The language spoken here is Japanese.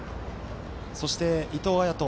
そして、伊藤彩斗